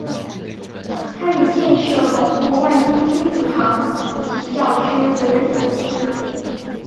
他以建设巩固万金天主堂及其教区为人所知。